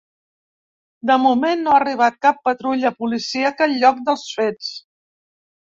De moment no ha arribat cap patrulla policíaca al lloc dels fets.